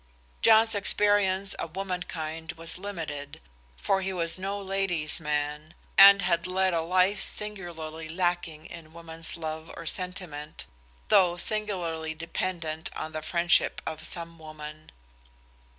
John's experience of womankind was limited, for he was no lady's man, and had led a life singularly lacking in woman's love or sentiment, though singularly dependent on the friendship of some woman.